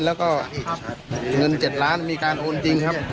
แล้วก็เงิน๗ล้านมีการโอนจริงครับ